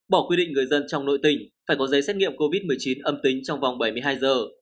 bỏ quy định người dân trong nội tỉnh phải có giấy xét nghiệm covid một mươi chín âm tính trong vòng bảy mươi hai giờ